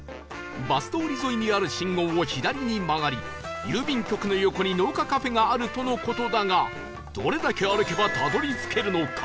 バス通り沿いにある信号を左に曲がり郵便局の横に農家カフェがあるとの事だがどれだけ歩けばたどり着けるのか？